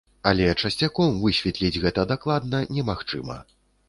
Але часцяком высветліць гэта дакладна немагчыма.